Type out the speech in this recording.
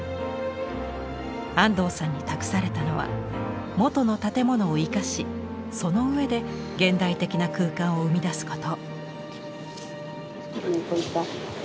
安藤さんに託されたのは元の建物を生かしその上で現代的な空間を生み出すこと。